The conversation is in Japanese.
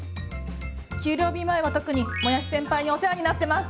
給料日前は特にもやし先輩にお世話になってます！